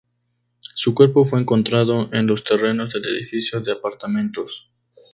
Su cuerpo fue encontrado en los terrenos del edificio de apartamentos.